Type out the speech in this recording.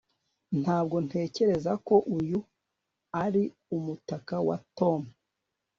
ntabwo ntekereza ko uyu ari umutaka wa tom